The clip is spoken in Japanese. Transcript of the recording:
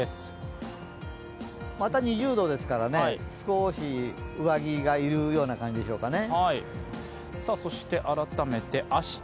また２０度ですからね少し上着がいるような感じですかね。